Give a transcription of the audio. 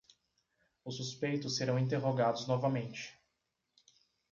Os suspeitos serão interrogados novamente